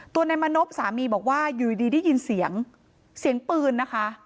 นายมณพสามีบอกว่าอยู่ดีได้ยินเสียงเสียงปืนนะคะ